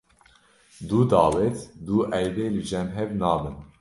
Du dawet du eydê li cem hev nabin.